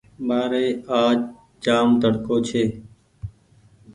ٻآري آج جآم تڙڪو ڇي۔